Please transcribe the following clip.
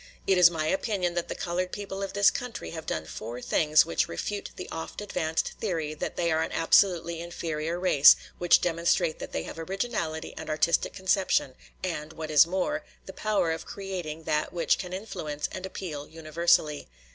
It is my opinion that the colored people of this country have done four things which refute the oft advanced theory that they are an absolutely inferior race, which demonstrate that they have originality and artistic conception, and, what is more, the power of creating that which can influence and appeal universally.